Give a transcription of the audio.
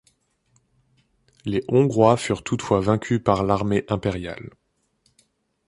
Les Hongrois furent toutefois vaincus par l'armée impériale.